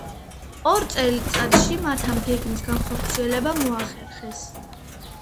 ორ წელიწადში მათ ამ გეგმის განხორციელება მოახერხეს.